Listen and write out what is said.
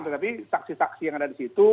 tetapi saksi saksi yang ada di situ